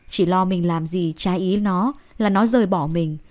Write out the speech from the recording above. chỉ lo mình làm gì trái ý nó là nó rời bỏ mình